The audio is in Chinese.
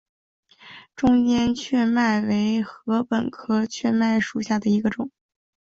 中间雀麦为禾本科雀麦属下的一个种。